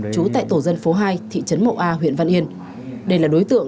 trú tại tổ dân phố hai thị trấn mộ a huyện văn yên